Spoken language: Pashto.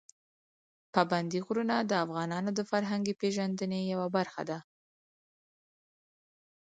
پابندي غرونه د افغانانو د فرهنګي پیژندنې یوه برخه ده.